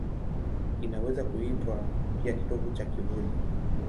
Inaweza kuitwa pia kitovu cha kivuli.